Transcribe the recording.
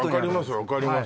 分かります